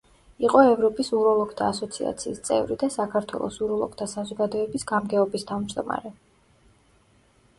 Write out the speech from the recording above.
იყო ევროპის უროლოგთა ასოციაციის წევრი და საქართველოს უროლოგთა საზოგადოების გამგეობის თავმჯდომარე.